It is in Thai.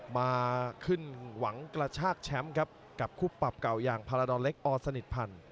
มาขึ้นหวังกระชากแชมป์ครับกับคู่ปรับเก่าอย่างพาราดอนเล็กอสนิทพันธ์